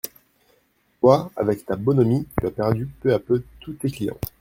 Toi, avec ta bonhomie, tu as perdu peu à peu tous tes clients…